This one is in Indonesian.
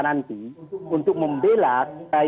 nanti untuk membelas